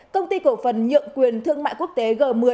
công ty cổ phần nhượng quyền thương mại quốc tế g một mươi